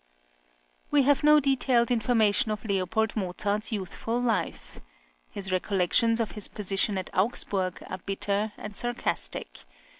We have no detailed information of L. Mozart's youthful life. His recollections of his position at Augsburg are bitter and sarcastic.